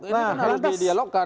ini kan harus di dialogkan